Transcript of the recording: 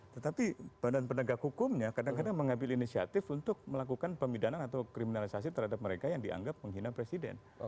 tetapi badan penegak hukumnya kadang kadang mengambil inisiatif untuk melakukan pemidanan atau kriminalisasi terhadap mereka yang dianggap menghina presiden